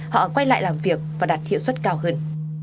họ quay lại làm việc và đạt hiệu suất cao hơn